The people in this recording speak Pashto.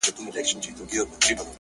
زه وایم ما به واخلي، ما به يوسي له نړيه،